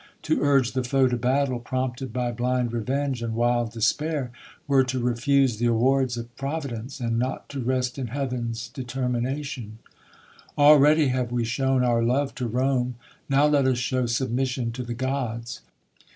To urge the foe to battle, Prompted by blind revenge, and wild despair, Were to refuse th^ awards of Providence, And not to rest in Heav'n''s determination. Aheadr THE COLUMBIAN ORATOR. 267 Already have we shown our love to Rome; Now let us show submission to the gods.